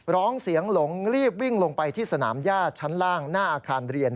ร้องเสียงหลงรีบวิ่งลงไปที่สนามย่าชั้นล่างหน้าอาคารเรียน